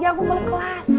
ya gue balik kelas